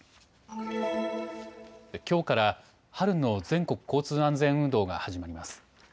きょうから春の全国交通安全運動が始まります。